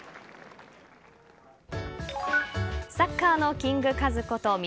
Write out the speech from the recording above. サッカーのキング・カズこと